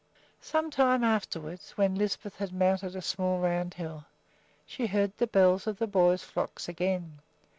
Sometime afterwards, when Lisbeth had mounted a small round hill, she heard the bells of the boys' flocks again.